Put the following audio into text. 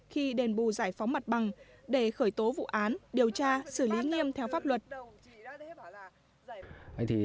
khi đền bù giải phóng mặt bằng để khởi tố vụ án điều tra xử lý nghiêm theo pháp luật